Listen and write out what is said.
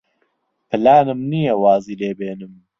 پلانم نییە وازی لێ بێنم.